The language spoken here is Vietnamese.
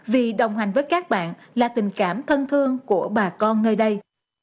vì đồng hành với các bạn là tình cảm thân thương của bà con nơi đây